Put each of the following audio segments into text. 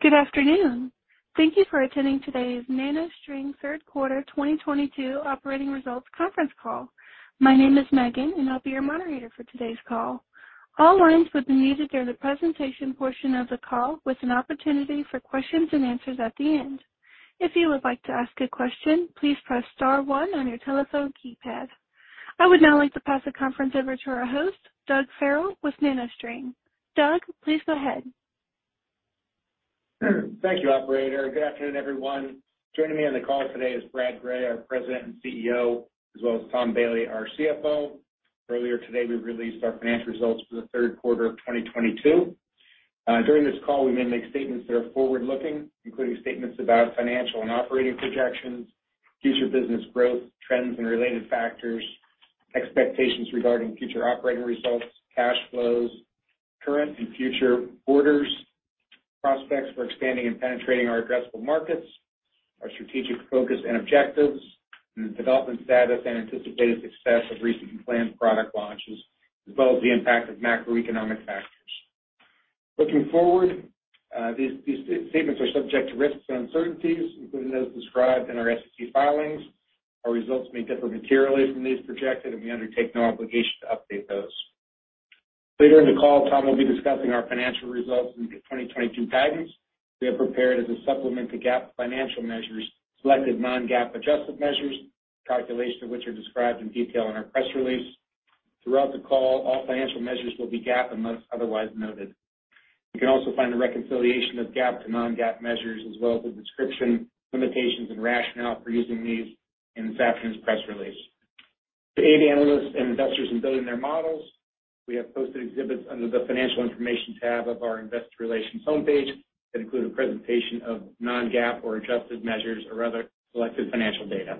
Good afternoon. Thank you for attending today's NanoString third quarter 2022 operating results conference call. My name is Megan, and I'll be your moderator for today's call. All lines will be muted during the presentation portion of the call, with an opportunity for questions and answers at the end. If you would like to ask a question, please press star one on your telephone keypad. I would now like to pass the conference over to our host, Doug Farrell with NanoString. Doug, please go ahead. Thank you, operator. Good afternoon, everyone. Joining me on the call today is Brad Gray, our President and CEO, as well as Tom Bailey, our CFO. Earlier today, we released our financial results for the third quarter of 2022. During this call, we may make statements that are forward-looking, including statements about financial and operating projections, future business growth, trends and related factors, expectations regarding future operating results, cash flows, current and future orders, prospects for expanding and penetrating our addressable markets, our strategic focus and objectives, and the development status and anticipated success of recent and planned product launches, as well as the impact of macroeconomic factors. Looking forward, these statements are subject to risks and uncertainties, including those described in our SEC filings. Our results may differ materially from these projected. We undertake no obligation to update those. Later in the call, Tom will be discussing our financial results in the 2022 guidance we have prepared as a supplement to GAAP financial measures, selected non-GAAP adjusted measures, calculation of which are described in detail in our press release. Throughout the call, all financial measures will be GAAP unless otherwise noted. You can also find a reconciliation of GAAP to non-GAAP measures as well as a description, limitations, and rationale for using these in this afternoon's press release. To aid analysts and investors in building their models, we have posted exhibits under the financial information tab of our investor relations homepage that include a presentation of non-GAAP or adjusted measures or other selected financial data.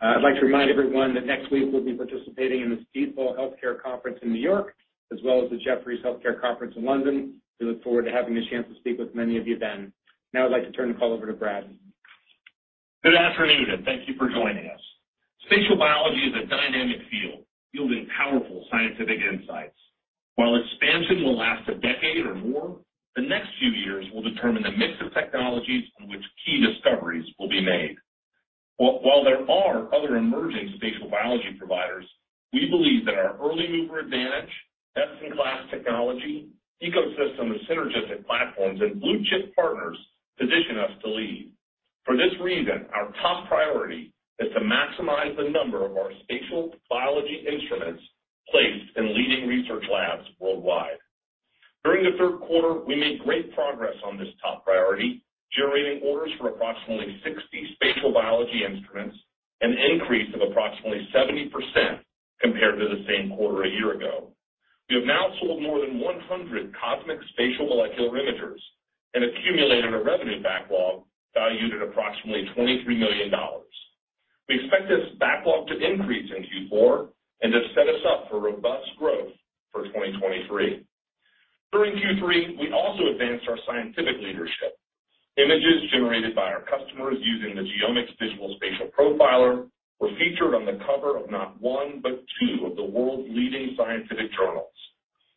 I'd like to remind everyone that next week we'll be participating in the Stifel Healthcare Conference in New York as well as the Jefferies Healthcare Conference in London. We look forward to having the chance to speak with many of you then. Now I'd like to turn the call over to Brad. Good afternoon, and thank you for joining us. Spatial biology is a dynamic field, yielding powerful scientific insights. While expansion will last a decade or more, the next few years will determine the mix of technologies on which key discoveries will be made. While there are other emerging spatial biology providers, we believe that our early-mover advantage, best-in-class technology, ecosystem of synergistic platforms, and blue-chip partners position us to lead. For this reason, our top priority is to maximize the number of our spatial biology instruments placed in leading research labs worldwide. During the third quarter, we made great progress on this top priority, generating orders for approximately 60 spatial biology instruments, an increase of approximately 70% compared to the same quarter a year ago. We have now sold more than 100 CosMx Spatial Molecular Imagers and accumulated a revenue backlog valued at approximately $23 million. We expect this backlog to increase in Q4 and to set us up for robust growth for 2023. During Q3, we also advanced our scientific leadership. Images generated by our customers using the GeoMx Digital Spatial Profiler were featured on the cover of not one, but two of the world's leading scientific journals.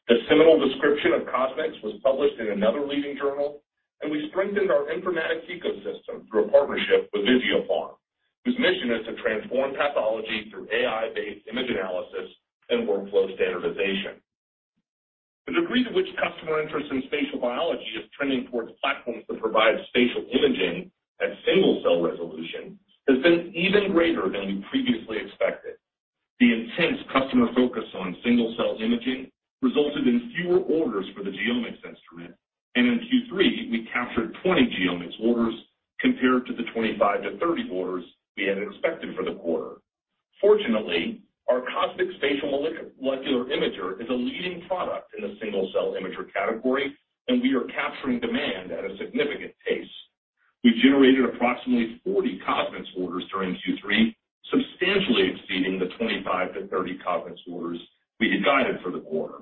The seminal description of CosMx was published in another leading journal, and we strengthened our informatics ecosystem through a partnership with Visiopharm, whose mission is to transform pathology through AI-based image analysis and workflow standardization. The degree to which customer interest in spatial biology is trending towards platforms that provide spatial imaging at single-cell resolution has been even greater than we previously expected. The intense customer focus on single-cell imaging resulted in fewer orders for the GeoMx instrument, and in Q3, we captured 20 GeoMx orders compared to the 25-30 orders we had expected for the quarter. Fortunately, our CosMx Spatial Molecular Imager is a leading product in the single-cell imager category, and we are capturing demand at a significant pace. We generated approximately 40 CosMx orders during Q3, substantially exceeding the 25-30 CosMx orders we had guided for the quarter.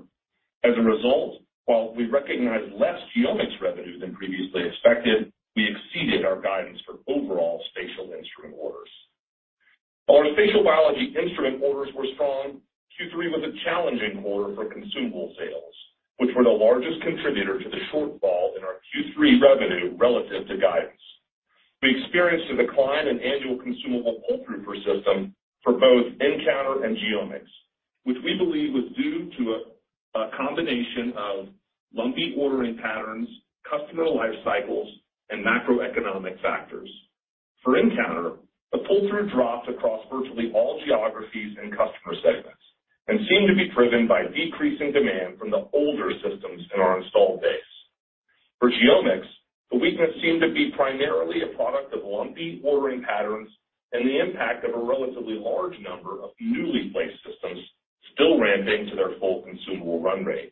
As a result, while we recognized less GeoMx revenue than previously expected, we exceeded our guidance for overall spatial instrument orders. While our spatial biology instrument orders were strong, Q3 was a challenging quarter for consumable sales, which were the largest contributor to the shortfall in our Q3 revenue relative to guidance. We experienced a decline in annual consumable pull-through per system for both nCounter and GeoMx, which we believe was due to a combination of lumpy ordering patterns, customer life cycles, and macroeconomic factors. For nCounter, the pull-through dropped across virtually all geographies and customer segments and seemed to be driven by decreasing demand from the older systems in our installed base. For GeoMx, the weakness seemed to be primarily a product of lumpy ordering patterns and the impact of a relatively large number of newly placed systems still ramping to their full consumable run rate.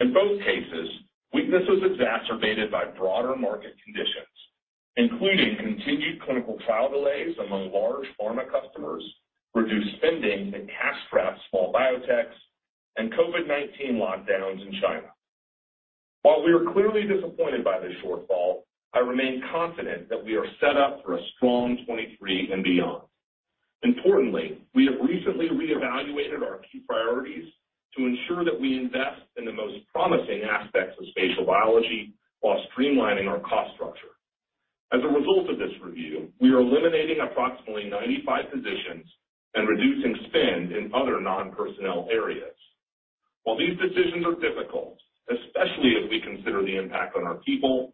In both cases, weakness was exacerbated by broader market conditions, including continued clinical trial delays among large pharma customers, reduced spending in cash-strapped small biotechs, and COVID-19 lockdowns in China. While we are clearly disappointed by this shortfall, I remain confident that we are set up for a strong 2023 and beyond. Importantly, we have recently reevaluated our key priorities to ensure that we invest in the most promising aspects of spatial biology while streamlining our cost structure. As a result of this review, we are eliminating approximately 95 positions and reducing spend in other non-personnel areas. While these decisions are difficult, especially as we consider the impact on our people,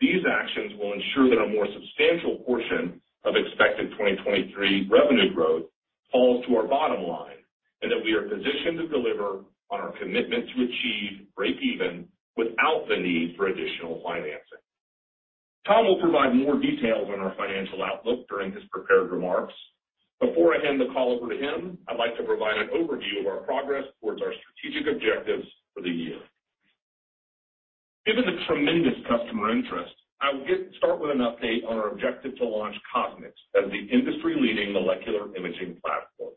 these actions will ensure that a more substantial portion of expected 2023 revenue growth falls to our bottom line, and that we are positioned to deliver on our commitment to achieve breakeven without the need for additional financing. Tom will provide more details on our financial outlook during his prepared remarks. Before I hand the call over to him, I'd like to provide an overview of our progress towards our strategic objectives for the year. Given the tremendous customer interest, I will start with an update on our objective to launch CosMx as the industry-leading molecular imaging platform.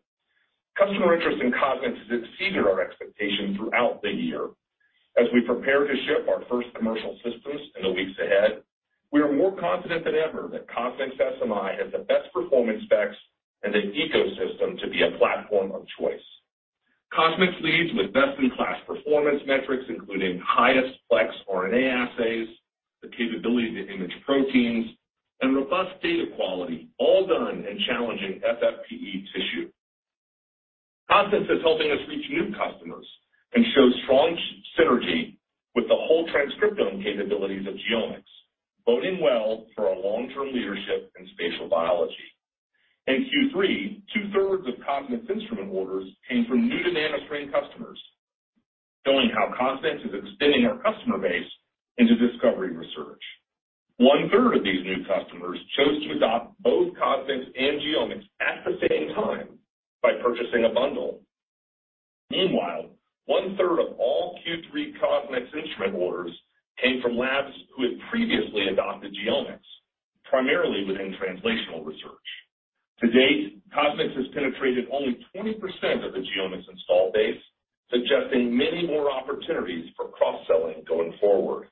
Customer interest in CosMx has exceeded our expectation throughout the year. As we prepare to ship our first commercial systems in the weeks ahead, we are more confident than ever that CosMx SMI has the best performance specs and an ecosystem to be a platform of choice. CosMx leads with best-in-class performance metrics, including highest plex RNA assays, the capability to image proteins, and robust data quality, all done in challenging FFPE tissue. CosMx is helping us reach new customers and shows strong synergy with the whole transcriptome capabilities of GeoMx, boding well for our long-term leadership in spatial biology. In Q3, two-thirds of CosMx instrument orders came from new-to-NanoString customers, showing how CosMx is extending our customer base into discovery research. One-third of these new customers chose to adopt both CosMx and GeoMx at the same time by purchasing a bundle. Meanwhile, one-third of all Q3 CosMx instrument orders came from labs who had previously adopted GeoMx, primarily within translational research. To date, CosMx has penetrated only 20% of the GeoMx install base, suggesting many more opportunities for cross-selling going forward.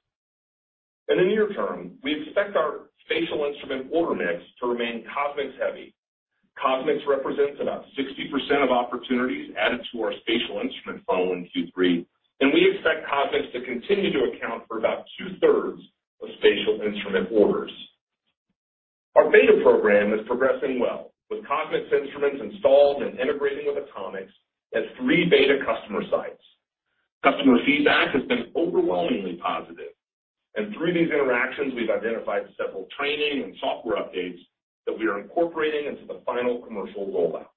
In the near term, we expect our spatial instrument order mix to remain CosMx heavy. CosMx represents about 60% of opportunities added to our spatial instrument funnel in Q3, and we expect CosMx to continue to account for about two-thirds of spatial instrument orders. Our beta program is progressing well with CosMx instruments installed and integrating with AtoMx at three beta customer sites. Customer feedback has been overwhelmingly positive, and through these interactions, we've identified several training and software updates that we are incorporating into the final commercial rollout.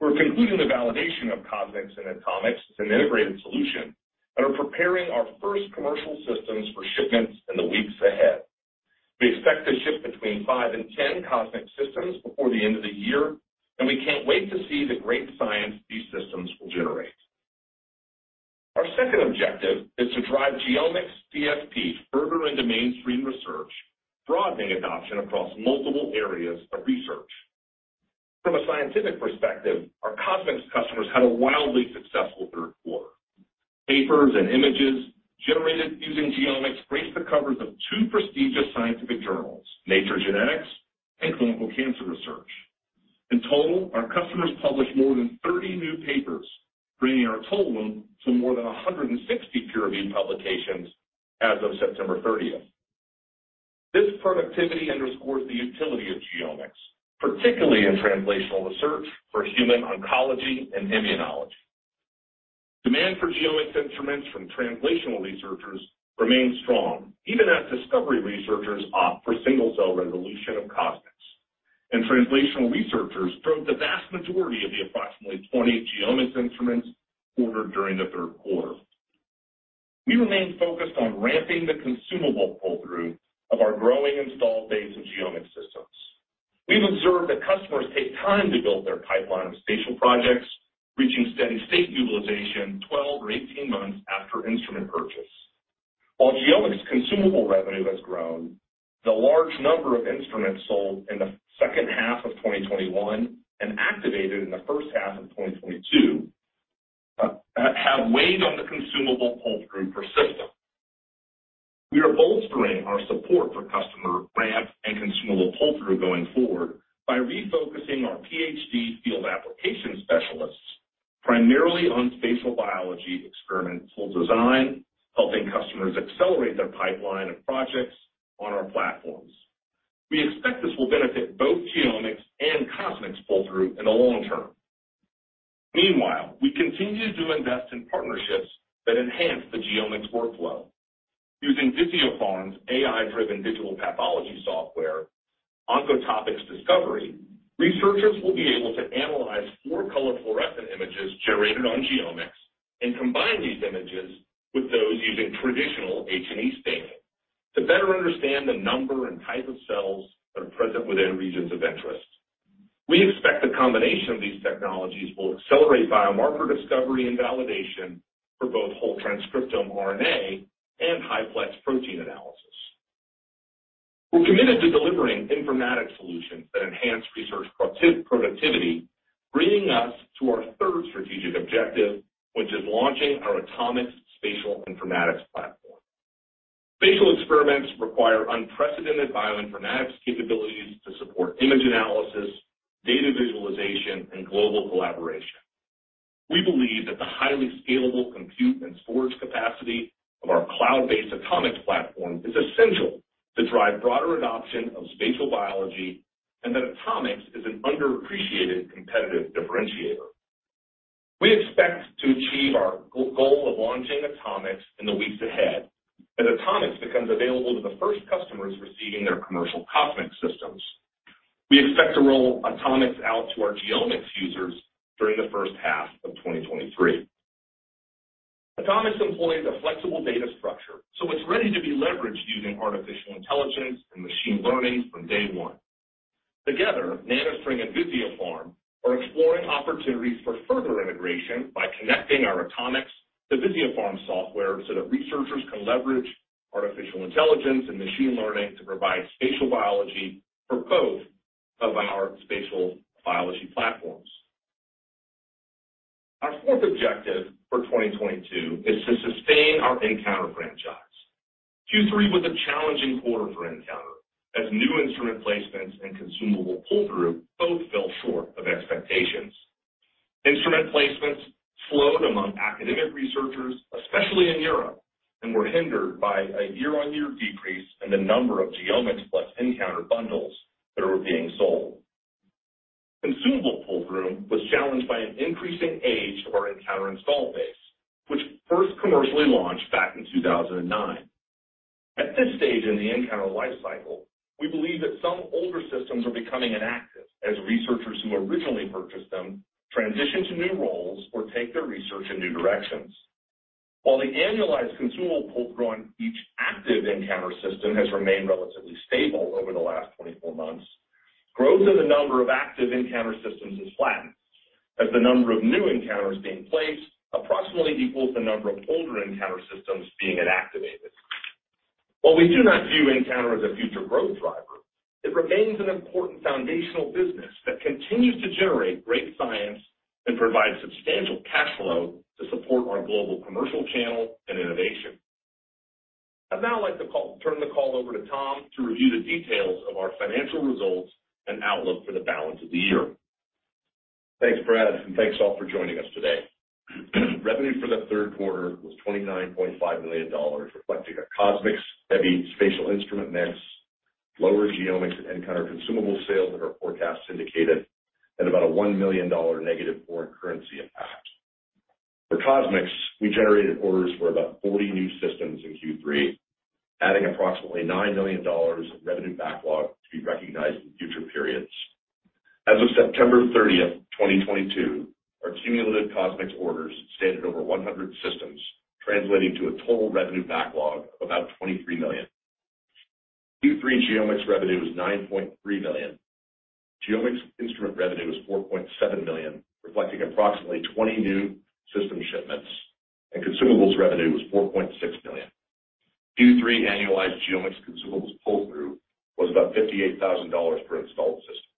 We're concluding the validation of CosMx and AtoMx as an integrated solution and are preparing our first commercial systems for shipments in the weeks ahead. We expect to ship between five and 10 CosMx systems before the end of the year, and we can't wait to see the great science these systems will generate. Our second objective is to drive GeoMx DSP further into mainstream research, broadening adoption across multiple areas of research. From a scientific perspective, our CosMx customers had a wildly successful third quarter. Papers and images generated using GeoMx graced the covers of two prestigious scientific journals, Nature Genetics and Clinical Cancer Research. In total, our customers published more than 30 new papers, bringing our total to more than 160 peer-reviewed publications as of September 30th. This productivity underscores the utility of GeoMx, particularly in translational research for human oncology and immunology. Demand for GeoMx instruments from translational researchers remains strong even as discovery researchers opt for single-cell resolution of CosMx. Translational researchers drove the vast majority of the approximately 20 GeoMx instruments ordered during the third quarter. We remain focused on ramping the consumable pull-through of our growing install base of GeoMx systems. We have observed that customers take time to build their pipeline of spatial projects, reaching steady state utilization 12 or 18 months after instrument purchase. While GeoMx consumable revenue has grown, the large number of instruments sold in the second half of 2021 and activated in the first half of 2022, have weighed on the consumable pull-through per system. We are bolstering our support for customer ramp and consumable pull-through going forward by refocusing our PhD field application specialists primarily on spatial biology experimental design, helping customers accelerate their pipeline of projects on our platforms. We expect this will benefit both GeoMx and CosMx pull-through in the long term. Meanwhile, we continue to invest in partnerships that enhance the GeoMx workflow. Using Visiopharm's AI-driven digital pathology software, Oncotopix Discovery, researchers will be able to analyze four color fluorescent images generated on GeoMx and combine these images with those using traditional H&E staining to better understand the number and type of cells that are present within regions of interest. We expect the combination of these technologies will accelerate biomarker discovery and validation for both whole transcriptome RNA and high-plex protein analysis. We are committed to delivering informatics solutions that enhance research productivity, bringing us to our third strategic objective, which is launching our AtoMx Spatial Informatics Platform. Spatial experiments require unprecedented bioinformatics capabilities to support image analysis, data visualization, and global collaboration. We believe that the highly scalable compute and storage capacity of our cloud-based AtoMx platform is essential to drive broader adoption of spatial biology, and that AtoMx is an underappreciated competitive differentiator. We expect to achieve our goal of launching AtoMx in the weeks ahead, as AtoMx becomes available to the first customers receiving their commercial CosMx systems. We expect to roll AtoMx out to our GeoMx users during the first half of 2023. AtoMx employs a flexible data structure, so it is ready to be leveraged using artificial intelligence and machine learning from day one. Together, NanoString and Visiopharm are exploring opportunities for further integration by connecting our AtoMx to Visiopharm software so that researchers can leverage artificial intelligence and machine learning to provide spatial biology for both of our spatial biology platforms. Our fourth objective for 2022 is to sustain our nCounter franchise. Q3 was a challenging quarter for nCounter, as new instrument placements and consumable pull-through both fell short of expectations. Instrument placements slowed among academic researchers, especially in Europe, and were hindered by a year-on-year decrease in the number of GeoMx plus nCounter bundles that were being sold. Consumable pull-through was challenged by an increasing age of our nCounter install base, which first commercially launched back in 2009. At this stage in the nCounter life cycle, we believe that some older systems are becoming inactive as researchers who originally purchased them transition to new roles or take their research in new directions. While the annualized consumable pull-through on each active nCounter system has remained relatively stable over the last 24 months, growth in the number of active nCounter systems has flattened as the number of new nCounters being placed approximately equals the number of older nCounter systems being inactivated. While we do not view nCounter as a future growth driver, it remains an important foundational business that continues to generate great science and provide substantial cash flow to support our global commercial channel and innovation. I'd now like to turn the call over to Tom to review the details of our financial results and outlook for the balance of the year. Thanks, Brad, and thanks, all, for joining us today. Revenue for the third quarter was $29.5 million, reflecting our CosMx heavy spatial instrument mix, lower GeoMx and nCounter consumable sales than our forecasts indicated, and about a $1 million negative foreign currency impact. For CosMx, we generated orders for about 40 new systems in Q3, adding approximately $9 million in revenue backlog to be recognized in future periods. As of September 30th, 2022, our cumulative CosMx orders stand at over 100 systems, translating to a total revenue backlog of about $23 million. Q3 GeoMx revenue was $9.3 million. GeoMx instrument revenue was $4.7 million, reflecting approximately 20 new system shipments, and consumables revenue was $4.6 million. Q3 annualized GeoMx consumables pull-through was about $58,000 per installed system.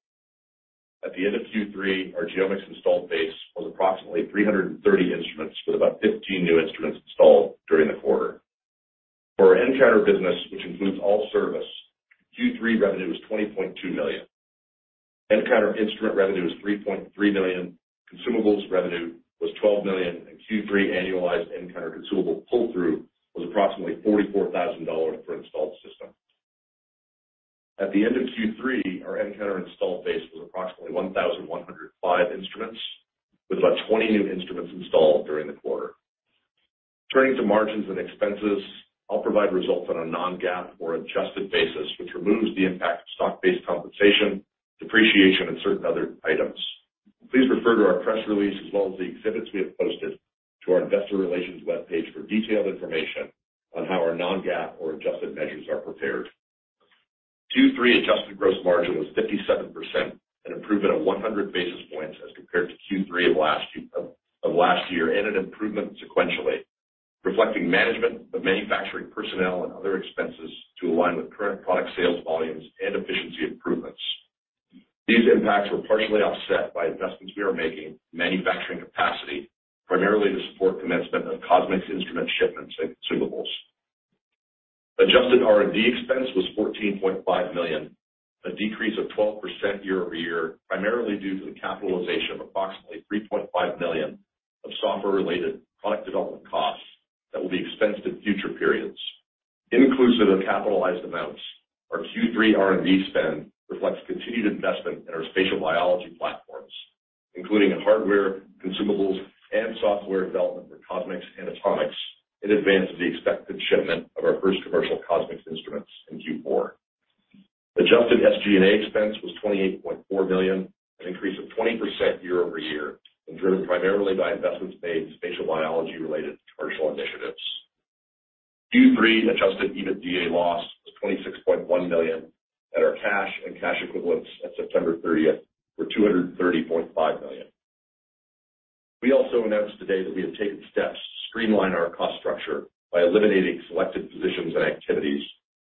At the end of Q3, our GeoMx installed base was approximately 330 instruments, with about 15 new instruments installed during the quarter. For our nCounter business, which includes all service, Q3 revenue was $20.2 million. nCounter instrument revenue was $3.3 million, consumables revenue was $12 million, and Q3 annualized nCounter consumable pull-through was approximately $44,000 for an installed system. At the end of Q3, our nCounter installed base was approximately 1,105 instruments, with about 20 new instruments installed during the quarter. Turning to margins and expenses, I'll provide results on a non-GAAP or adjusted basis, which removes the impact of stock-based compensation, depreciation, and certain other items. Please refer to our press release as well as the exhibits we have posted to our investor relations webpage for detailed information on how our non-GAAP or adjusted measures are prepared. Q3 adjusted gross margin was 57%, an improvement of 100 basis points as compared to Q3 of last year, and an improvement sequentially, reflecting management of manufacturing personnel and other expenses to align with current product sales volumes and efficiency improvements. These impacts were partially offset by investments we are making in manufacturing capacity, primarily to support commencement of CosMx instrument shipments and consumables. Adjusted R&D expense was $14.5 million, a decrease of 12% year over year, primarily due to the capitalization of approximately $3.5 million of software-related product development costs that will be expensed in future periods. Inclusive of capitalized amounts, our Q3 R&D spend reflects continued investment in our spatial biology platforms, including in hardware, consumables, and software development for CosMx and AtoMx in advance of the expected shipment of our first commercial CosMx instruments in Q4. Adjusted SG&A expense was $28.4 million, an increase of 20% year-over-year, driven primarily by investments made in spatial biology-related commercial initiatives. Q3 adjusted EBITDA loss was $26.1 million, and our cash and cash equivalents at September 30th were $230.5 million. We also announced today that we have taken steps to streamline our cost structure by eliminating selected positions and activities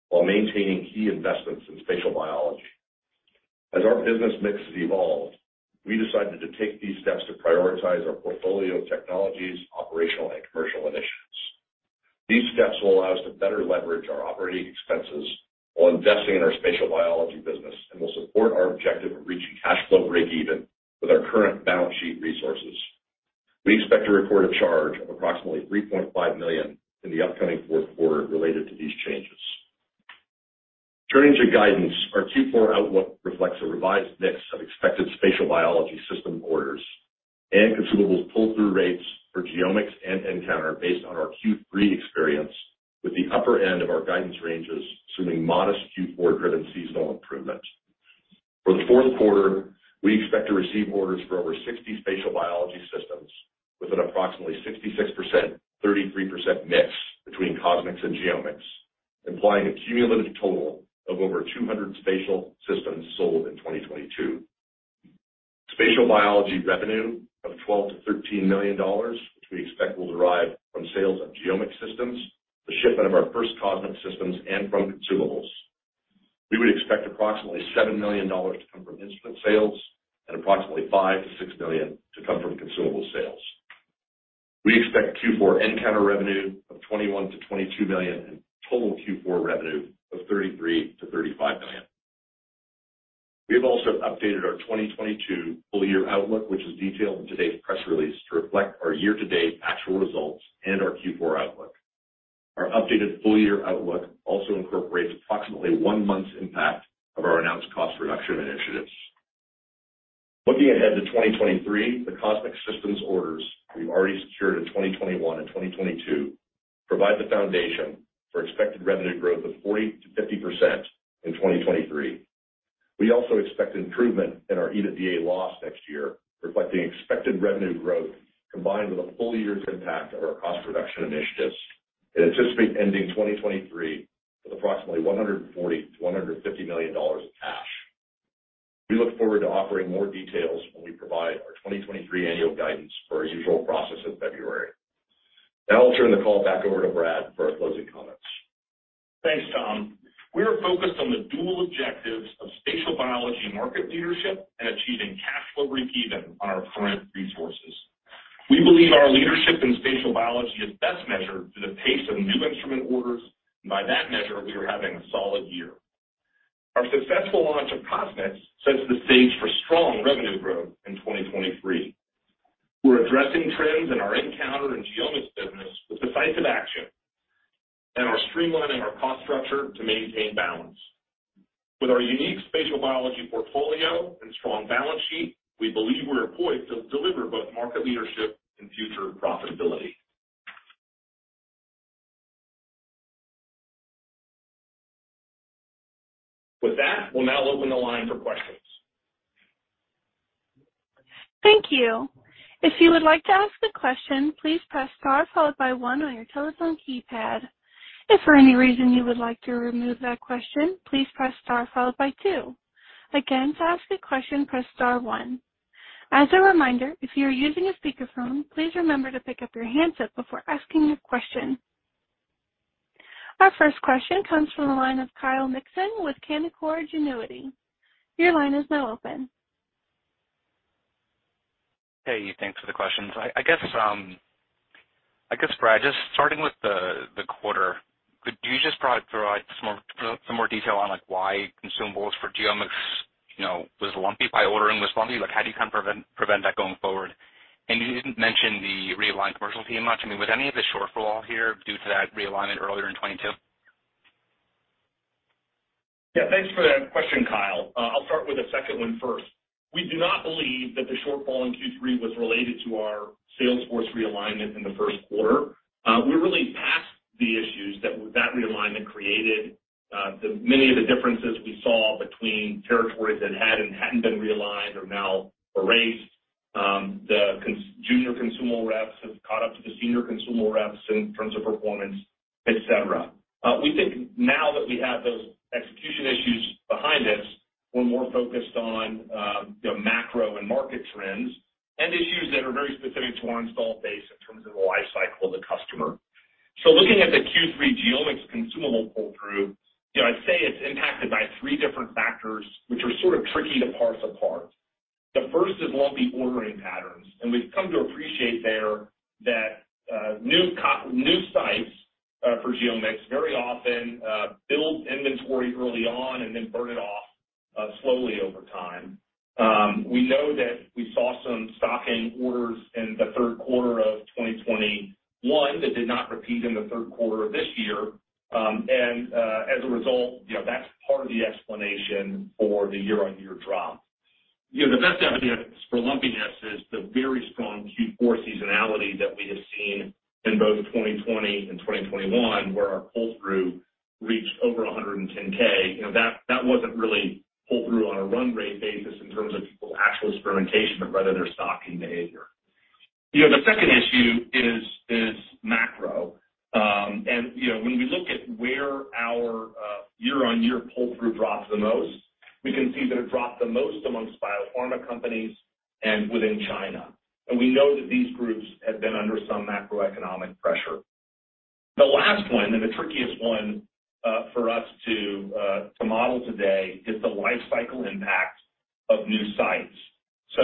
while maintaining key investments in spatial biology. As our business mix has evolved, we decided to take these steps to prioritize our portfolio of technologies, operational and commercial initiatives. These steps will allow us to better leverage our operating expenses while investing in our spatial biology business and will support our objective of reaching cash flow breakeven with our current balance sheet resources. We expect to report a charge of approximately $3.5 million in the upcoming fourth quarter related to these changes. Turning to guidance, our Q4 outlook reflects a revised mix of expected spatial biology system orders and consumables pull-through rates for GeoMx and nCounter based on our Q3 experience, with the upper end of our guidance ranges assuming modest Q4 driven seasonal improvement. For the fourth quarter, we expect to receive orders for over 60 spatial biology systems with an approximately 66%, 33% mix between CosMx and GeoMx, implying a cumulative total of over 200 spatial systems sold in 2022. Spatial biology revenue of $12 million-$13 million, which we expect will derive from sales of GeoMx systems, the shipment of our first CosMx systems, and from consumables. We would expect approximately $7 million to come from instrument sales and approximately $5 million-$6 million to come from consumable sales. We expect Q4 nCounter revenue of $21 million-$22 million and total Q4 revenue of $33 million-$35 million. We have also updated our 2022 full-year outlook, which is detailed in today's press release, to reflect our year-to-date actual results and our Q4 outlook. Our updated full-year outlook also incorporates approximately one month's impact of our announced cost reduction initiatives. Looking ahead to 2023, the CosMx systems orders we've already secured in 2021 and 2022 provide the foundation for expected revenue growth of 40%-50% in 2023. We also expect improvement in our EBITDA loss next year, reflecting expected revenue growth combined with a full year's impact of our cost reduction initiatives, and anticipate ending 2023 with approximately $140 million-$150 million of cash. We look forward to offering more details when we provide our 2023 annual guidance per our usual process in February. I'll turn the call back over to Brad for our closing comments. Thanks, Tom. We are focused on the dual objectives of spatial biology market leadership and achieving cash flow breakeven on our current resources. We believe our leadership in spatial biology is best measured through the pace of new instrument orders, and by that measure, we are having a solid year. Our successful launch of CosMx sets the stage for strong revenue growth in 2023. We're addressing trends in our nCounter and GeoMx business with decisive action and are streamlining our cost structure to maintain balance. With our unique spatial biology portfolio and strong balance sheet, we believe we're poised to deliver both market leadership and future profitability. With that, we'll now open the line for questions. Thank you. If you would like to ask a question, please press star followed by one on your telephone keypad. If for any reason you would like to remove that question, please press star followed by two. Again, to ask a question, press star one. As a reminder, if you are using a speakerphone, please remember to pick up your handset before asking your question. Our first question comes from the line of Kyle Mikson with Canaccord Genuity. Your line is now open. Hey, thanks for the questions. I guess, Brad, just starting with the quarter, could you just provide some more detail on why consumables for GeoMx was lumpy, why ordering was lumpy? How do you prevent that going forward? You didn't mention the realigned commercial team much. I mean, was any of the shortfall here due to that realignment earlier in 2022? Yeah, thanks for that question, Kyle. I'll start with the second one first. We do not believe that the shortfall in Q3 was related to our sales force realignment in the first quarter. We're really past the issues that that realignment created. Many of the differences we saw between territories that had and hadn't been realigned are now erased. The junior consumable reps have caught up to the senior consumable reps in terms of performance, et cetera. We think now that we have those execution issues behind us, we're more focused on macro and market trends and issues that are very specific to our install base in terms of the life cycle of the customer. Looking at the Q3 GeoMx consumable pull-through, I'd say it's impacted by three different factors which are sort of tricky to parse apart. The first is lumpy ordering patterns. We've come to appreciate there that new sites for GeoMx very often build inventory early on and then burn it off slowly over time. We know that we saw some stocking orders in the third quarter of 2021 that did not repeat in the third quarter of this year, as a result, that's part of the explanation for the year-on-year drop. The best evidence for lumpiness is the very strong Q4 seasonality that we have seen in both 2020 and 2021, where our pull-through reached over 110K. That wasn't really pull-through on a run rate basis in terms of people's actual experimentation, but rather their stocking behavior. When we look at where our year-on-year pull-through dropped the most, we can see that it dropped the most amongst biopharma companies and within China. We know that these groups have been under some macroeconomic pressure. The last one and the trickiest one for us to model today is the life cycle impact of new sites.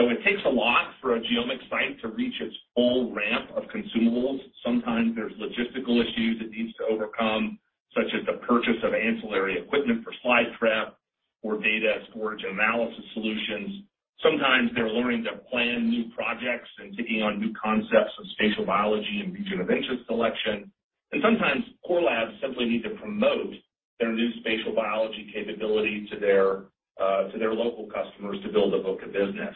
It takes a lot for a GeoMx site to reach its full ramp of consumables. Sometimes there's logistical issues it needs to overcome, such as the purchase of ancillary equipment for slide prep or data storage analysis solutions. Sometimes they're learning to plan new projects and taking on new concepts of spatial biology and region of interest selection. Sometimes core labs simply need to promote their new spatial biology capability to their local customers to build a book of business.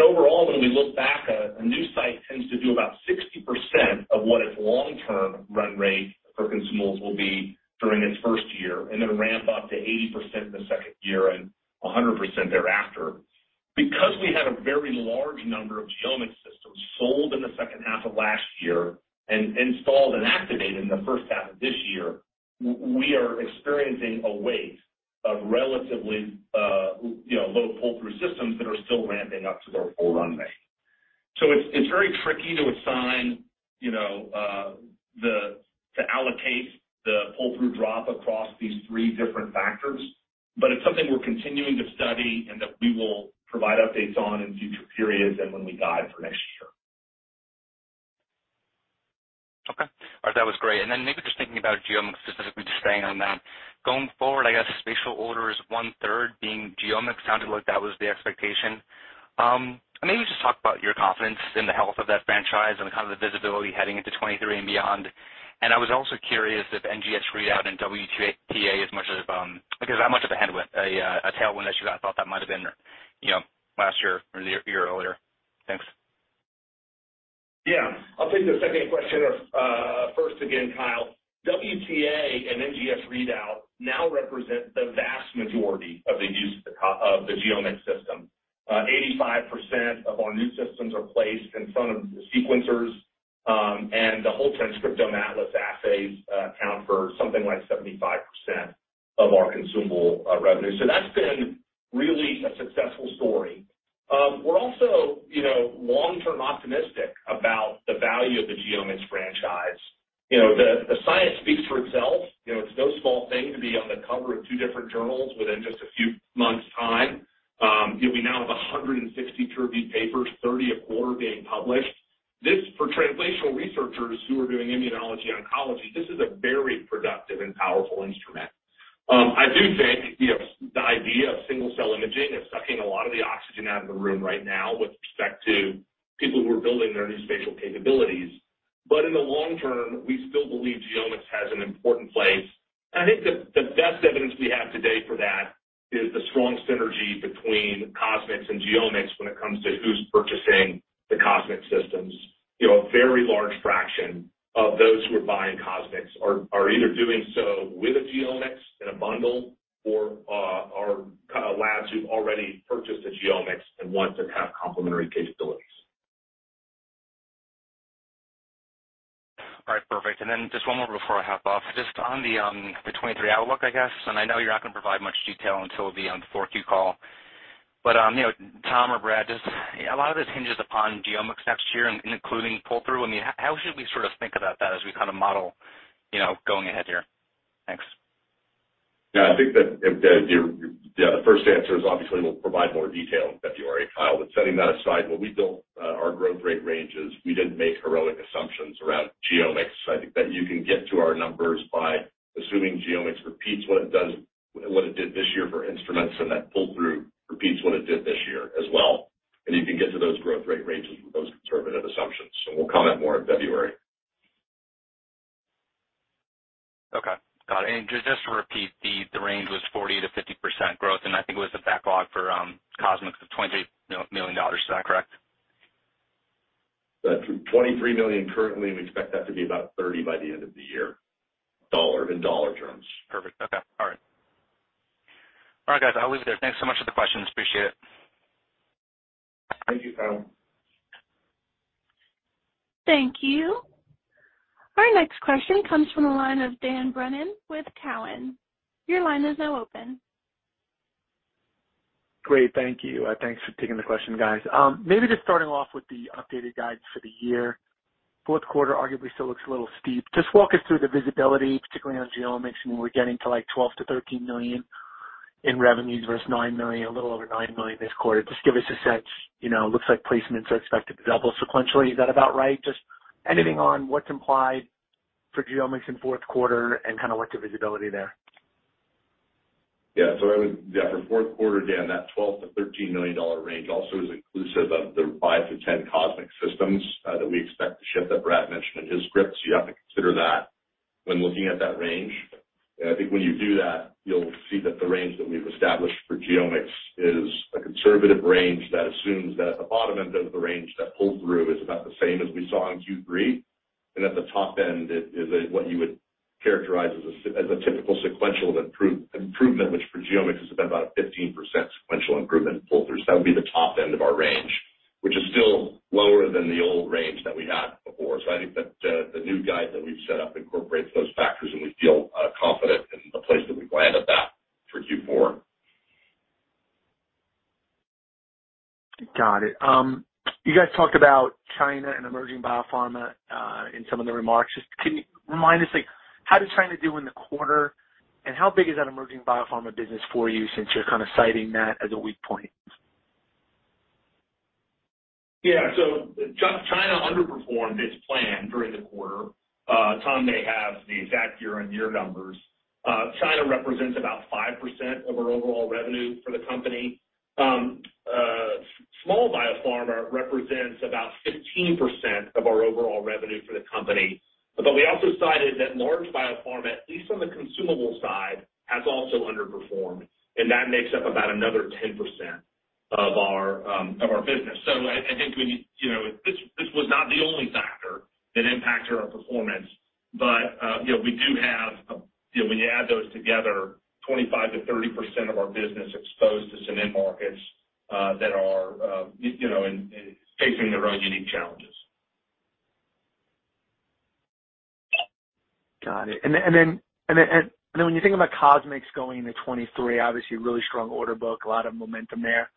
Overall, when we look back, a new site tends to do about 60% of what its long-term run rate for consumables will be during its first year, then ramp up to 80% in the second year and 100% thereafter. Because we had a very large number of GeoMx systems sold in the second half of last year and installed and activated in the first half of this year, we are experiencing a wave of relatively low pull-through systems that are still ramping up to their full run rate. It's very tricky to allocate the pull-through drop across these three different factors, but it's something we're continuing to study and that we will provide updates on in future periods and when we guide for next year. Okay. All right, that was great. Maybe just thinking about GeoMx specifically, just staying on that. Going forward, I guess spatial order is one-third being GeoMx, sounded like that was the expectation. Maybe just talk about your confidence in the health of that franchise and the visibility heading into 2023 and beyond. I was also curious if NGS readout and WTA as much of a headwind, a tailwind that you guys thought that might have been last year or the year earlier. Thanks. Yeah. I'll take the second question first again, Kyle. WTA and NGS readout now represent the vast majority of the use of the GeoMx system. 85% of our new systems are placed in front of sequencers, and the GeoMx Human Whole Transcriptome Atlas assays account for something like 75% of our consumable revenue. That's been really a successful story. We're also long-term optimistic about the value of the GeoMx franchise. The science speaks for itself. It's no small thing to be on the cover of two different journals within just a few months' time. We now have 160 peer-reviewed papers, 30 of quarter being published. This, for translational researchers who are doing immunology oncology, this is a very productive and powerful instrument. I do think the idea of single-cell imaging is sucking a lot of the oxygen out of the room right now with respect to people who are building their new spatial capabilities. In the long term, we still believe GeoMx has an important place. I think the best evidence we have today for that is the strong synergy between CosMx and GeoMx when it comes to who's purchasing the CosMx systems. A very large fraction of those who are buying CosMx are either doing so with a GeoMx in a bundle or are labs who've already purchased a GeoMx and want to have complementary capabilities. All right, perfect. Just one more before I hop off. Just on the 2023 outlook, I guess, I know you're not going to provide much detail until the fourth Q call, Tom or Brad, just a lot of this hinges upon GeoMx next year, including pull-through. How should we think about that as we model going ahead here? Thanks. Yeah, I think that the first answer is obviously we'll provide more detail in February, Kyle. Setting that aside, when we built our growth rate ranges, we didn't make heroic assumptions around GeoMx. I think that you can get to our numbers by assuming GeoMx repeats what it did this year for instruments, and that pull-through repeats what it did this year as well, and you can get to those growth rate ranges with those conservative assumptions, and we'll comment more in February. Okay, got it. Just to repeat, the range was 40%-50% growth, and I think it was the backlog for CosMx of $23 million. Is that correct? $23 million currently, We expect that to be about $30 by the end of the year in dollar terms. Perfect. Okay. All right. All right, guys, I'll leave it there. Thanks so much for the questions. Appreciate it. Thank you, Kyle. Thank you. Our next question comes from the line of Dan Brennan with Cowen. Your line is now open. Great. Thank you. Thanks for taking the question, guys. Maybe just starting off with the updated guides for the year. Fourth quarter arguably still looks a little steep. Just walk us through the visibility, particularly on GeoMx, and we're getting to like $12 million-$13 million in revenues versus a little over $9 million this quarter. Just give us a sense. Looks like placements are expected to double sequentially. Is that about right? Just anything on what's implied for GeoMx in fourth quarter and what's your visibility there? Yeah. For fourth quarter, Dan, that $12 million-$13 million range also is inclusive of the 5-10 CosMx systems that we expect to ship that Brad mentioned in his script, so you have to consider that when looking at that range. I think when you do that, you'll see that the range that we've established for GeoMx is a conservative range that assumes that at the bottom end of the range, that pull-through is about the same as we saw in Q3. At the top end is what you would characterize as a typical sequential improvement, which for GeoMx has been about a 15% sequential improvement in pull-through. That would be the top end of our range, which is still lower than the old range that we had before. I think that the new guide that we've set up incorporates those factors and we feel confident in the place that we've landed that for Q4. Got it. You guys talked about China and emerging biopharma in some of the remarks. Can you remind us, how did China do in the quarter, and how big is that emerging biopharma business for you since you're citing that as a weak point? Yeah. China underperformed its plan during the quarter. Tom may have the exact year-over-year numbers. China represents about 5% of our overall revenue for the company. Small biopharma represents about 15% of our overall revenue for the company. We also cited that large biopharma, at least on the consumable side, has also underperformed, and that makes up about another 10% of our business. I think this was not the only factor that impacted our performance, but when you add those together, 25%-30% of our business exposed to some end markets that are facing their own unique challenges. Got it. When you think about CosMx going into 2023, obviously a really strong order book, a lot of momentum there.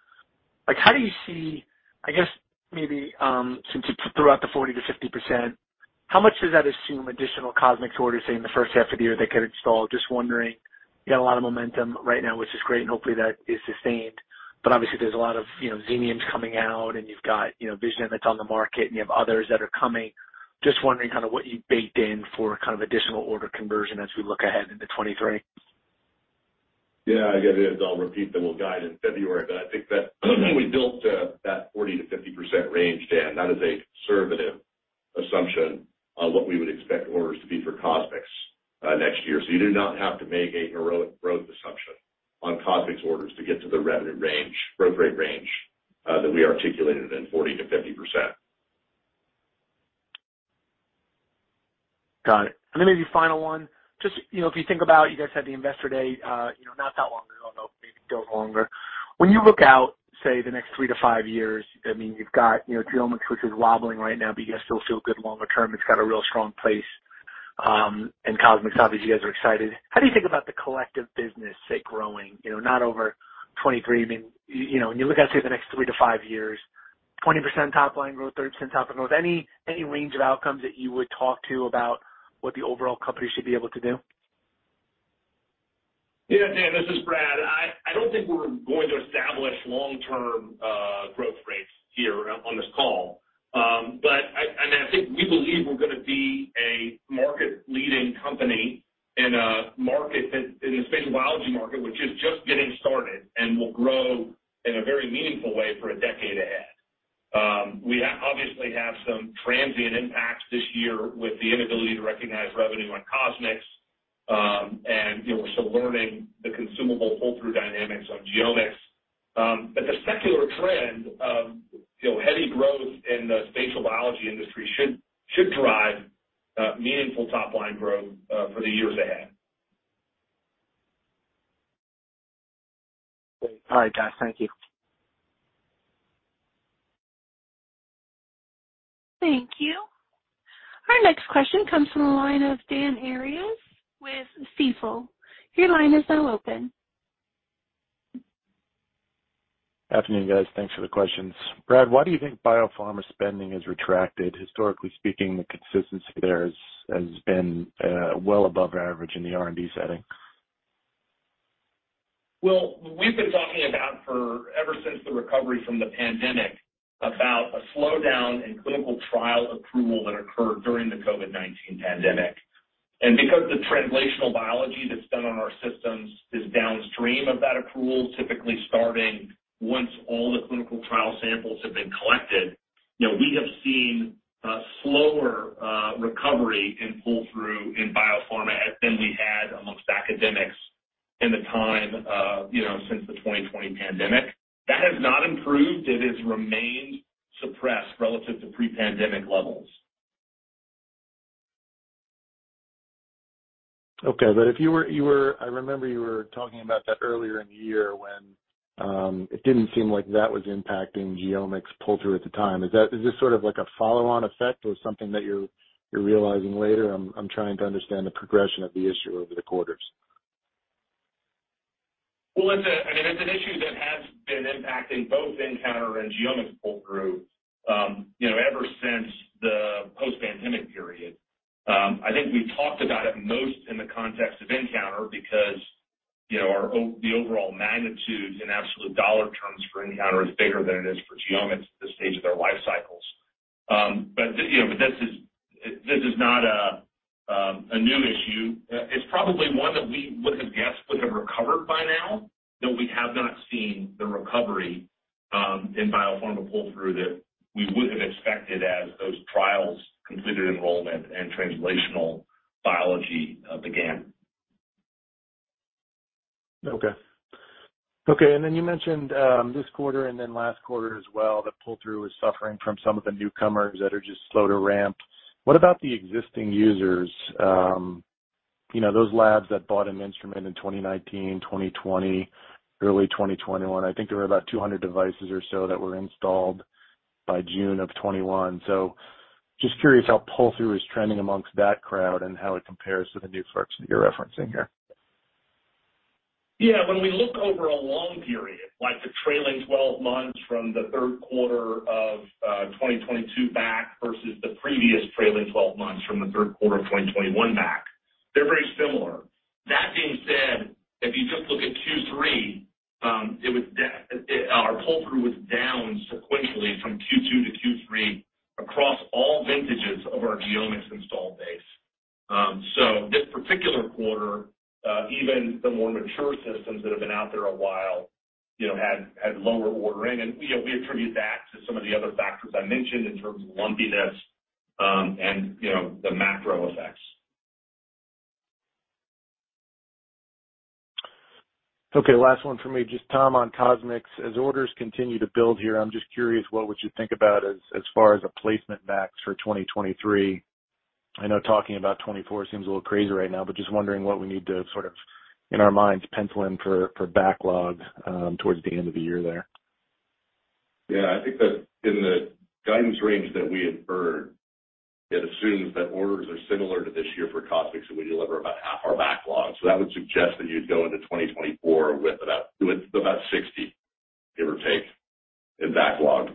How do you see, I guess maybe, since you threw out the 40%-50%, how much does that assume additional CosMx orders, say, in the first half of the year they could install? Just wondering. You got a lot of momentum right now, which is great, and hopefully that is sustained. Obviously there's a lot of Xenium coming out and you've got Visium that's on the market, and you have others that are coming. Just wondering what you baked in for additional order conversion as we look ahead into 2023. Yeah. I guess I'll repeat that we'll guide in February, I think that when we built that 40%-50% range, Dan, that is a conservative assumption on what we would expect orders to be for CosMx next year. You do not have to make a heroic growth assumption on CosMx orders to get to the revenue range, growth rate range, that we articulated in 40%-50%. Got it. Then maybe final one, just if you think about, you guys had the investor day not that long ago, maybe a bit longer. When you look out, say, the next 3-5 years, you've got GeoMx, which is wobbling right now, but you guys still feel good longer term, it's got a real strong place. CosMx, obviously, you guys are excited. How do you think about the collective business, say, growing, not over 2023? When you look out, say, the next 3-5 years, 20% top-line growth, 30% top-line growth. Any range of outcomes that you would talk to about what the overall company should be able to do? Dan, this is Brad. I don't think we're going to establish long-term growth rates here on this call. I think we believe we're going to be a market-leading company in a spatial biology market, which is just getting started and will grow in a very meaningful way for a decade ahead. We obviously have some transient impacts this year with the inability to recognize revenue on CosMx. We're still learning the consumable pull-through dynamics on GeoMx. The secular trend of heavy growth in the spatial biology industry should drive meaningful top-line growth for the years ahead. Great. All right, guys. Thank you. Thank you. Our next question comes from the line of Dan Arias with Stifel. Your line is now open. Afternoon, guys. Thanks for the questions. Brad, why do you think biopharma spending has retracted? Historically speaking, the consistency there has been well above average in the R&D setting. Well, we've been talking about for ever since the recovery from the pandemic about a slowdown in clinical trial approval that occurred during the COVID-19 pandemic. Because the translational biology that's done on our systems is downstream of that approval, typically starting once all the clinical trial samples have been collected, we have seen a slower recovery in pull-through in biopharma than we had amongst academics in the time since the 2020 pandemic. That has not improved. It has remained suppressed relative to pre-pandemic levels. Okay. I remember you were talking about that earlier in the year when it didn't seem like that was impacting GeoMx pull-through at the time. Is this sort of like a follow-on effect or something that you're realizing later? I'm trying to understand the progression of the issue over the quarters. Well, it's an issue that has been impacting both nCounter and GeoMx pull-through ever since the post-pandemic period. I think we talked about it most in the context of nCounter because the overall magnitude in absolute dollar terms for nCounter is bigger than it is for GeoMx at this stage of their life cycles. This is not a new issue. It's probably one that we would have guessed would have recovered by now, though we have not seen the recovery in biopharma pull-through that we would have expected as those trials completed enrollment and translational biology began. Okay. Then you mentioned this quarter and then last quarter as well, that pull-through is suffering from some of the newcomers that are just slow to ramp. What about the existing users? Those labs that bought an instrument in 2019, 2020, early 2021. I think there were about 200 devices or so that were installed by June of 2021. Just curious how pull-through is trending amongst that crowd and how it compares to the new folks that you're referencing here. Yeah. When we look over a long period, like the trailing 12 months from the third quarter of 2022 back versus the previous trailing 12 months from the third quarter of 2021 back, they're very similar. That being said, if you just look at Q3, our pull-through was down sequentially from Q2 to Q3 across all vintages of our GeoMx install base. This particular quarter, even the more mature systems that have been out there a while, had lower ordering. We attribute that to some of the other factors I mentioned in terms of lumpiness and the macro effects. Okay, last one from me. Just Tom on CosMx. As orders continue to build here, I'm just curious, what would you think about as far as a placement max for 2023? I know talking about 2024 seems a little crazy right now, but just wondering what we need to, sort of, in our minds, pencil in for backlog towards the end of the year there. Yeah. I think that in the guidance range that we inferred, it assumes that orders are similar to this year for CosMx, and we deliver about half our backlog. That would suggest that you'd go into 2024 with about 60, give or take, in backlog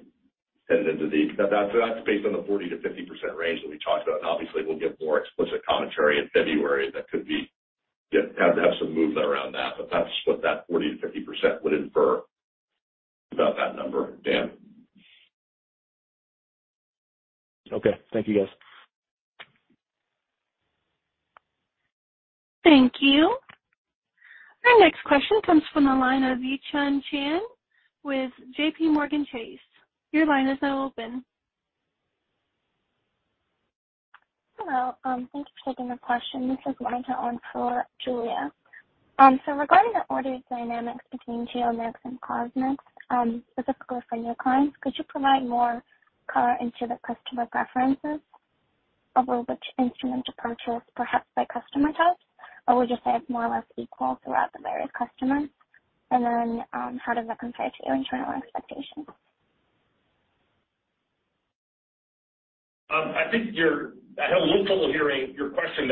heading into the That's based on the 40%-50% range that we talked about. Obviously, we'll give more explicit commentary in February that could have some movement around that. That's what that 40%-50% would infer about that number, Dan. Okay. Thank you, guys. Thank you. Our next question comes from the line of Yichun Qian with JPMorgan Chase. Your line is now open. Hello. Thank you for taking my question. This is going to on for Julia. Regarding the order dynamics between GeoMx and CosMx, specifically for new clients, could you provide more color into the customer preferences over which instrument to purchase, perhaps by customer type? Would you say it's more or less equal throughout the various customers? How does that compare to your internal expectations? I had a little trouble hearing your question,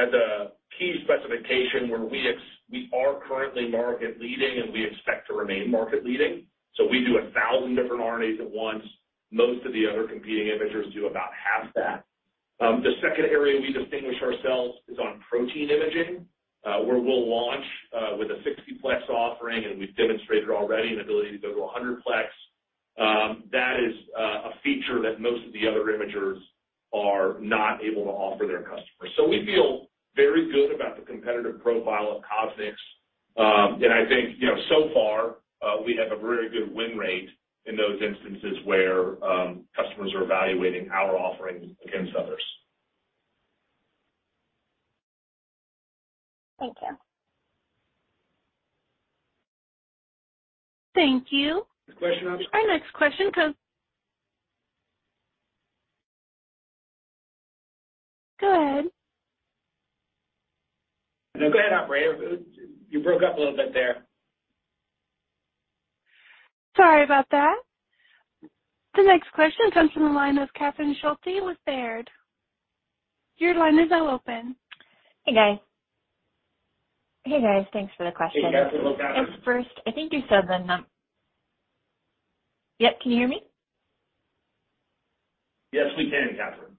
as a key specification where we are currently market leading, and we expect to remain market leading. We do 1,000 different RNAs at once. Most of the other competing imagers do about half that. The second area we distinguish ourselves is on protein imaging, where we'll launch with a 60-plex offering, and we've demonstrated already an ability to go to 100-plex. That is a feature that most of the other imagers are not able to offer their customers. We feel very good about the competitive profile of CosMx, and I think so far, we have a very good win rate in those instances where customers are evaluating our offering against others. Thank you. Thank you. Next question, operator? Go ahead. No, go ahead, operator. You broke up a little bit there. Sorry about that. The next question comes from the line of Catherine Schulte with Baird. Your line is now open. Hey, guys. Hey, guys, thanks for the question. Hey, Catherine. What's up? Up first, I think you said. Yep, can you hear me? Yes, we can, Catherine.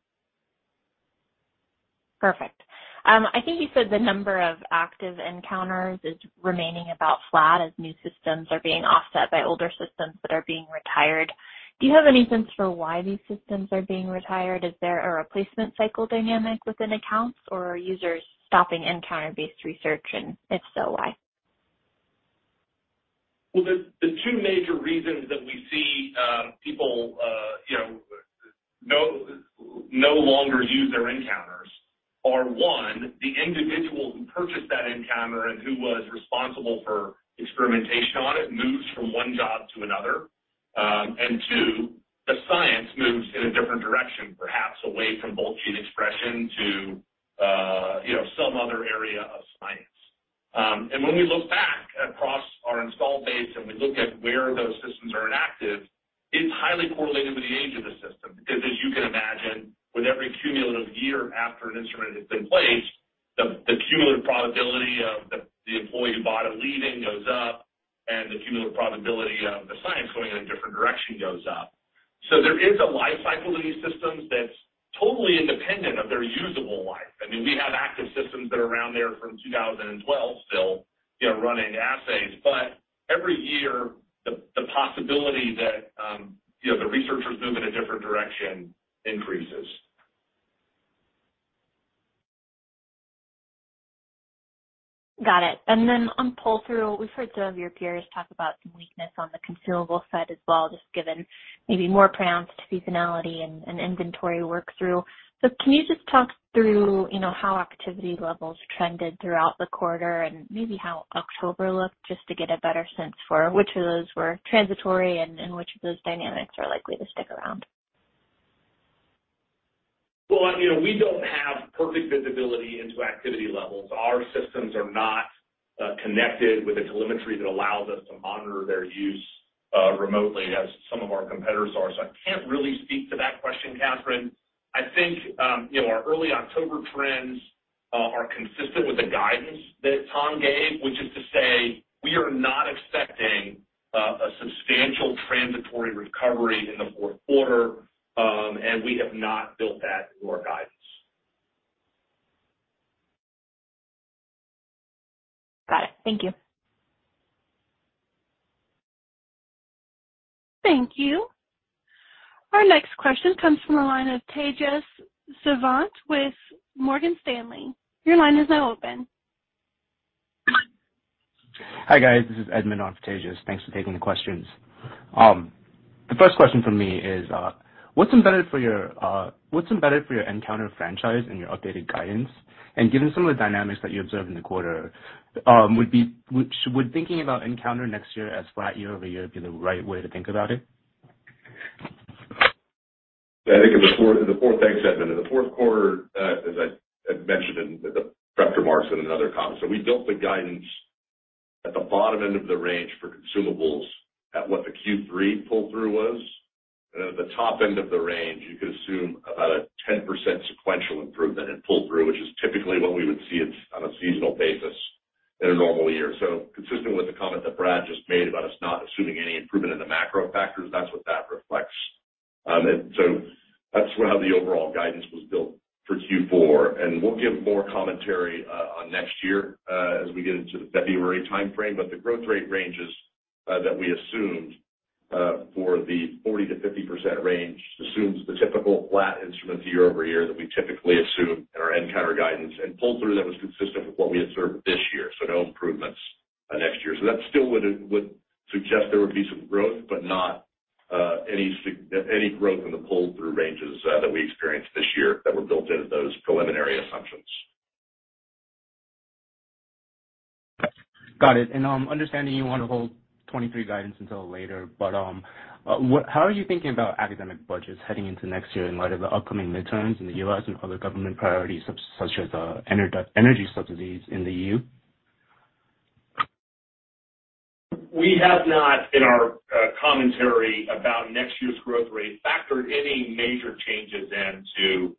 Perfect. I think you said the number of active nCounters is remaining about flat as new systems are being offset by older systems that are being retired. Do you have any sense for why these systems are being retired? Is there a replacement cycle dynamic within accounts, or are users stopping nCounter-based research, and if so, why? Well, the two major reasons that we see people no longer use their nCounter are one, the individual who purchased that nCounter and who was responsible for experimentation on it, moves from one job to another. Two, the science moves in a different direction, perhaps away from bulk gene expression to some other area of science. When we look back across our install base and we look at where those systems are inactive, it's highly correlated to the age of the system. Because as you can imagine, with every cumulative year after an instrument has been placed, the cumulative probability of the employee who bought it leaving goes up, and the cumulative probability of the science going in a different direction goes up. There is a life cycle to these systems that's totally independent of their usable life. We have active systems that are around there from 2012 still running assays. Every year, the possibility that the researchers move in a different direction increases. Got it. On pull-through, we've heard some of your peers talk about some weakness on the consumable side as well, just given maybe more pronounced seasonality and inventory work-through. Can you just talk through how activity levels trended throughout the quarter and maybe how October looked, just to get a better sense for which of those were transitory and which of those dynamics are likely to stick around? Well, we don't have perfect visibility into activity levels. Our systems are not connected with a telemetry that allows us to monitor their use remotely as some of our competitors are. I can't really speak to that question, Catherine. I think our early October trends are consistent with the guidance that Tom gave, which is to say, we are not expecting a substantial transitory recovery in the fourth quarter, and we have not built that into our guidance. Got it. Thank you. Thank you. Our next question comes from the line of Tejas Savant with Morgan Stanley. Your line is now open. Hi, guys. This is Edmond on for Tejas. Thanks for taking the questions. The first question from me is, what's embedded for your nCounter franchise in your updated guidance? Given some of the dynamics that you observed in the quarter, would thinking about nCounter next year as flat year-over-year be the right way to think about it? Thanks, Edmond. In the fourth quarter, as I had mentioned in the prep remarks and in other comments, we built the guidance at the bottom end of the range for consumables at what the Q3 pull-through was. At the top end of the range, you could assume about a 10% sequential improvement in pull-through, which is typically what we would see on a seasonal basis in a normal year. Consistent with the comment that Brad just made about us not assuming any improvement in the macro factors, that's what that reflects. That's how the overall guidance was built for Q4. We'll give more commentary on next year as we get into the February timeframe. The growth rate ranges that we assumed for the 40%-50% range assumes the typical flat instruments year-over-year that we typically assume in our nCounter guidance, and pull-through that was consistent with what we observed this year. No improvements next year. That still would suggest there would be some growth, not any growth in the pull-through ranges that we experienced this year that were built into those preliminary assumptions. Got it. Understanding you want to hold 2023 guidance until later, how are you thinking about academic budgets heading into next year in light of the upcoming midterms in the U.S. and other government priorities such as energy subsidies in the E.U.? We have not, in our commentary about next year's growth rate, factored any major changes into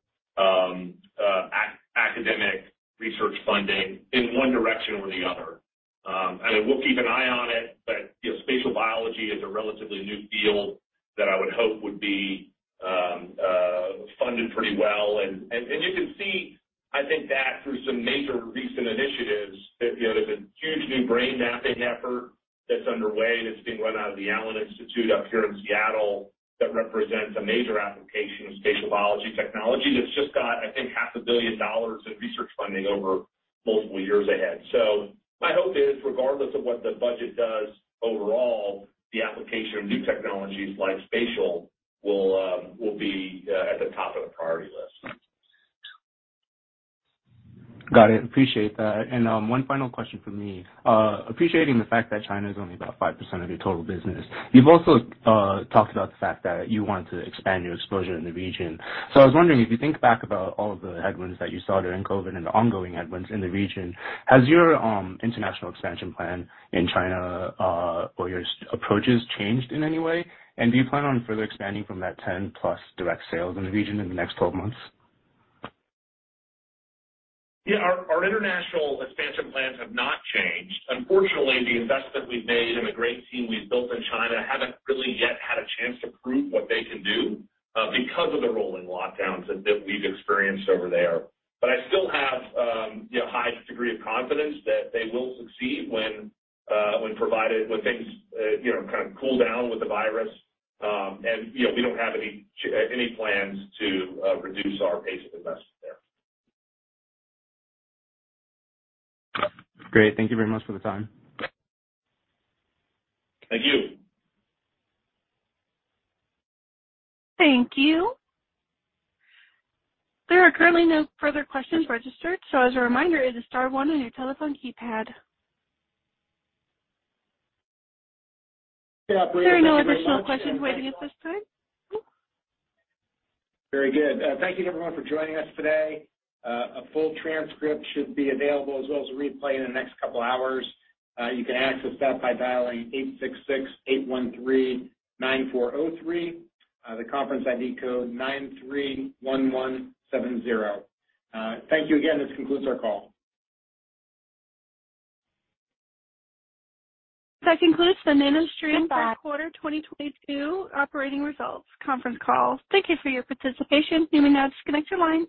academic research funding in one direction or the other. We'll keep an eye on it, spatial biology is a relatively new field that I would hope would be funded pretty well. You can see, I think, that through some major recent initiatives. There's a huge new brain mapping effort that's underway, that's being run out of the Allen Institute up here in Seattle, that represents a major application of spatial biology technology that's just got, I think, half a billion dollars in research funding over multiple years ahead. My hope is, regardless of what the budget does overall, the application of new technologies like spatial will be at the top of the priority list. Got it. Appreciate that. One final question from me. Appreciating the fact that China is only about 5% of your total business, you've also talked about the fact that you want to expand your exposure in the region. I was wondering if you think back about all of the headwinds that you saw during COVID and the ongoing headwinds in the region, has your international expansion plan in China or your approaches changed in any way? Do you plan on further expanding from that 10-plus direct sales in the region in the next 12 months? Yeah, our international expansion plans have not changed. Unfortunately, the investment we've made and the great team we've built in China haven't really yet had a chance to prove what they can do because of the rolling lockdowns that we've experienced over there. I still have a high degree of confidence that they will succeed when things cool down with the virus, we don't have any plans to reduce our pace of investment there. Great. Thank you very much for the time. Thank you. Thank you. There are currently no further questions registered, so as a reminder, it is star one on your telephone keypad. Yeah, operator. Thank you very much. There are no additional questions waiting at this time. Very good. Thank you to everyone for joining us today. A full transcript should be available as well as a replay in the next couple of hours. You can access that by dialing 866-813-9403. The conference ID code 931170. Thank you again. This concludes our call. That concludes the NanoString third quarter 2022 operating results conference call. Thank you for your participation. You may now disconnect your line.